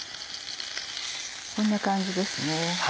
こんな感じですね。